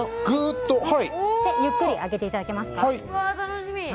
ゆっくり上げていただけますか。